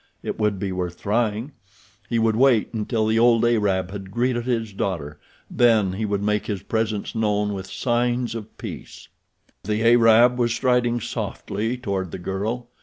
It would be worth trying. He would wait until the old Arab had greeted his daughter, then he would make his presence known with signs of peace. The Arab was striding softly toward the girl.